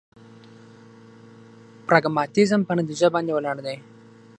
پراګماتيزم په نتيجه باندې ولاړ دی.